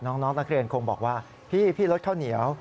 น้องนักเรียนคงบอกว่าพี่ลดข้าวเหนียว